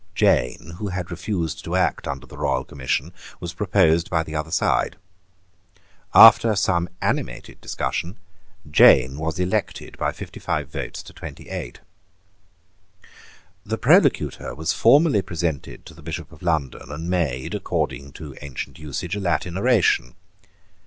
Jane, who had refused to act under the Royal Commission, was proposed on the other side. After some animated discussion, Jane was elected by fifty five votes to twenty eight, The Prolocutor was formally presented to the Bishop of London, and made, according to ancient usage, a Latin oration.